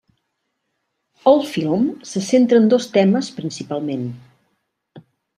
El film se centra en dos temes principalment.